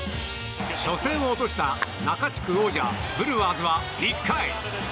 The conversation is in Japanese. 初戦を落とした中地区王者ブルワーズは１回。